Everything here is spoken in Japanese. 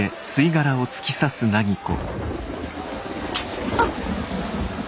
あっ！